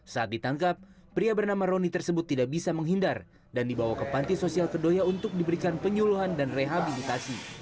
saat ditangkap pria bernama roni tersebut tidak bisa menghindar dan dibawa ke panti sosial kedoya untuk diberikan penyuluhan dan rehabilitasi